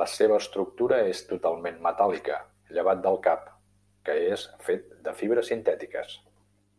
La seva estructura és totalment metàl·lica, llevat del cap, que és fet de fibres sintètiques.